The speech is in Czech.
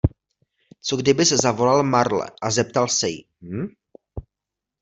Co kdybys zavolal Marle a zeptal se jí, hm?